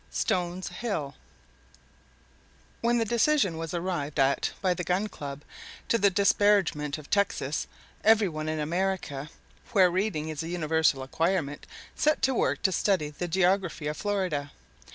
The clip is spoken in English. STONES HILL When the decision was arrived at by the Gun Club, to the disparagement of Texas, every one in America, where reading is a universal acquirement, set to work to study the geography of Florida.